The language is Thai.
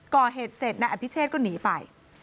ก่อเหตุเสร็จนายอภิเชษก็หนีไป